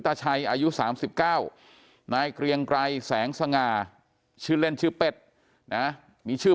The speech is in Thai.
ตาชัยอายุ๓๙นายเกรียงไกรแสงสง่าชื่อเล่นชื่อเป็ดนะมีชื่อ